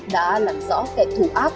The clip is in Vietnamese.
đã làm rõ kẻ thủ ác